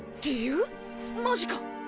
マジか？